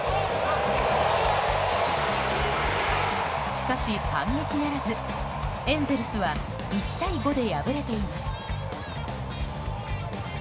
しかし反撃ならずエンゼルスは１対５で敗れています。